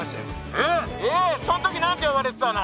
えっそのとき何て呼ばれてたの？